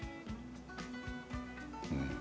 うん。